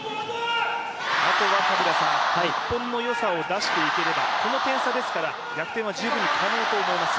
あとは日本のよさを出していければこの点差ですから逆転は十分可能ですね。